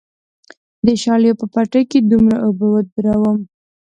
د شالیو په پټي کې څومره اوبه ودروم؟